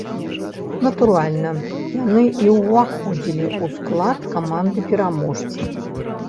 Натуральна, яны і ўваходзілі ў склад каманды-пераможцы.